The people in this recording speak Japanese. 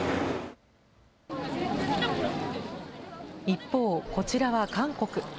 一方、こちらは韓国。